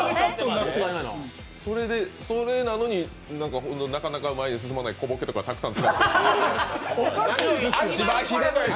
それなのになかなか前に進まない小ボケとかたくさん。